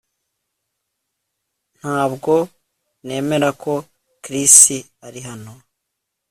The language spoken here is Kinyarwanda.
Ntabwo nemera ko Chris ari hano